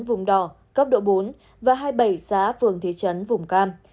vùng đỏ cấp độ bốn và hai mươi bảy xã phường thị trấn vùng cam